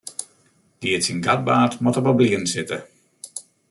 Dy't syn gat baarnt, moat op 'e blierren sitte.